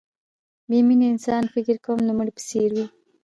بې مینې انسان فکر کوم د مړي په څېر وي